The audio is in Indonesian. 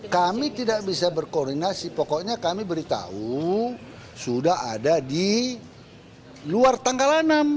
kami tidak bisa berkoordinasi pokoknya kami beritahu sudah ada di luar tanggal enam